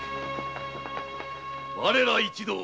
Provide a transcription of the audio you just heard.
我ら一同